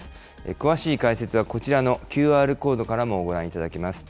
詳しい解説はこちらのＱＲコードからもご覧いただけます。